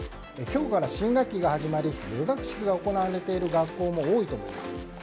今日から、新学期が始まり入学式が行われている学校も多いと思います。